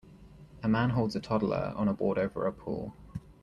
a man holds a toddler on a board over a pool.